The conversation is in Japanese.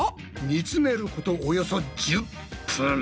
煮詰めることおよそ１０分。